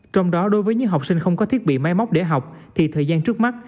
trong đó đối với những học sinh không có thiết bị máy móc để học thì thời gian trước mắt